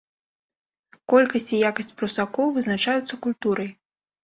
Колькасць і якасць прусакоў вызначаюцца культурай.